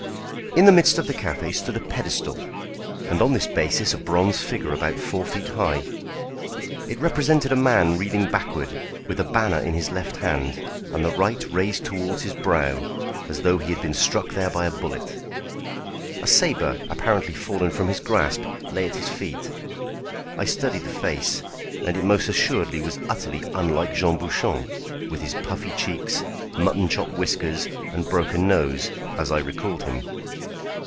In the midst of the café stood a pedestal, and on this basis a bronze figure about four feet high. It represented a man reeling backward, with a banner in his left hand, and the right raised towards his brow, as though he had been struck there by a bullet. A sabre, apparently fallen from his grasp, lay at his feet. I studied the face, and it most assuredly was utterly unlike Jean Bouchon with his puffy cheeks, mutton chop whiskers, and broken nose, as I recalled him.